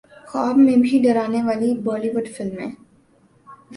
خواب میں بھی ڈرانے والی بولی وڈ فلمیں